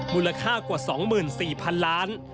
มูลค่ากว่า๒๔๐๐๐ล้าน